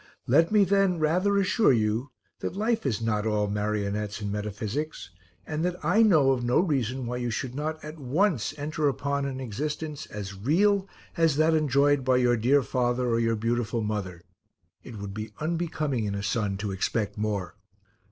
Let me, then, rather assure you that life is not all marionettes and metaphysics, and that I know of no reason why you should not at once enter upon an existence as real as that enjoyed by your dear father or your beautiful mother it would be unbecoming in a son to expect more.